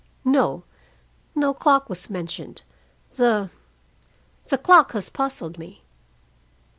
"No. No clock was mentioned. The the clock has puzzled me."